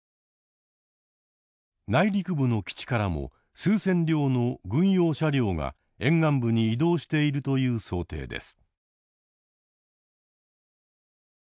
内陸部の基地からも数千両の軍用車両が沿岸部に移動しているという想定です。